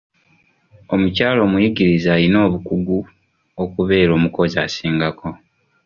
Omukyala omuyigirize ayina obukugu okubeera omukozi asingako.